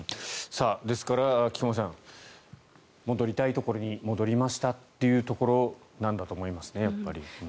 ですから菊間さん戻りたいところに戻りましたというところなんだと思いますね。